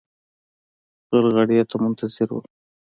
غرغړې ته منتظر ول.